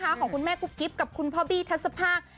เหมือนกับการกิ้บกับคุณพ่อบีทัศนภาค